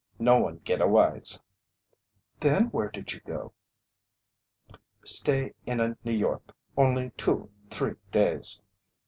No one geta wise." "Then where did you go?" "Stay in a New York only two three days.